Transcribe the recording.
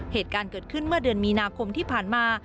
เหตุการณ์เกิดขึ้นเมื่อเดือนมีนาคมที่ผ่านมา